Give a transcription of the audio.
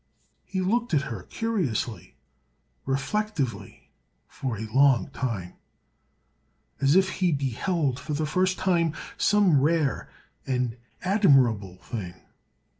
He looked at her curiously, reflectively, for a long time, as if he beheld for the first time some rare and admirable thing.